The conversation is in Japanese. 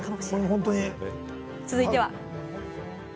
続いては。